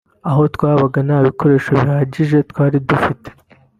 Aho twabaga nta bikoresho bihagije twari dufite